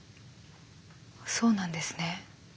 そうなんですね。